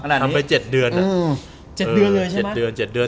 ทำไป๗เดือน